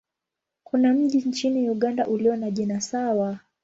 Kuna mji nchini Uganda ulio na jina sawa.